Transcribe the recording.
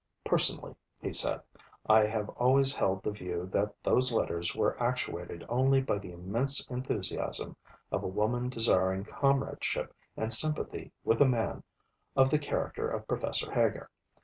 "Personally," he said, "I have always held the view that those letters were actuated only by the immense enthusiasm of a woman desiring comradeship and sympathy with a man of the character of Professor Heger.